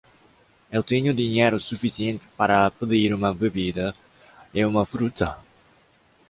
Eu tenho dinheiro suficiente para pedir uma bebida e uma fruta?